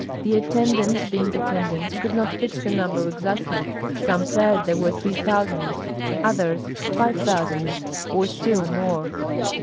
The attendants, being attendants, could not fix the number exactly; some said there were three thousand; others five thousand, or still more.